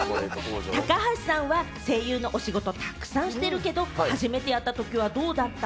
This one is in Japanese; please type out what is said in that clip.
高橋さんは声優のお仕事たくさんしてるけれども、初めてやったときはどうだった？